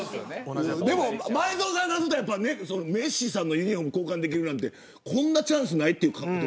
前園さんからするとメッシさんのユニホーム交換できるなんてこんなチャンスないという。